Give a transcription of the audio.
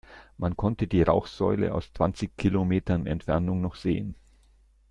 Man konnte die Rauchsäule aus zwanzig Kilometern Entfernung noch sehen.